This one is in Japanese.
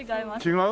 違う？